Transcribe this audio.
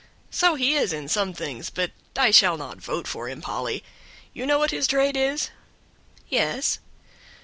"So he is in some things, but I shall not vote for him, Polly; you know what his trade is?" "Yes."